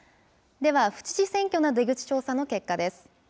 では、府知事選挙の出口調査の結果です。